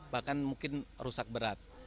bahkan mungkin rusak berat